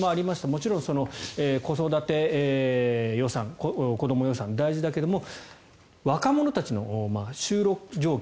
もちろん子育て予算、子ども予算は大事だけども若者たちの就労状況